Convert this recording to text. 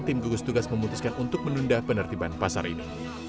tim gugus tugas memutuskan untuk menunda penertiban pasar ini